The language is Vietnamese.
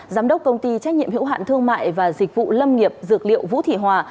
giám đốc công ty trách nhiệm hữu hạn thương mại và dịch vụ lâm nghiệp dược liệu vũ thị hòa